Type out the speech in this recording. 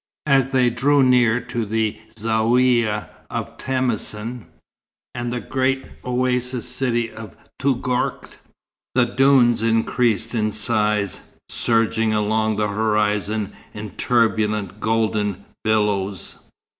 As they drew near to the Zaouïa of Temacin, and the great oasis city of Touggourt, the dunes increased in size, surging along the horizon in turbulent golden billows.